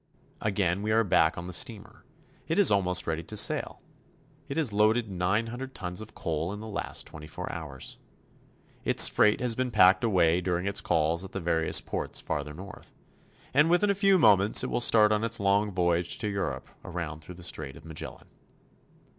Again we are back on the steamer. It is almost ready to sail. It has loaded nine hundred tons of coal in the last twenty four hours. Its freight has been packed away '" In the tunnels we see half naked miners." during its calls at the various ports farther north, and within a few moments it will start on its long voyage to Europe around through the Strait of Magellan.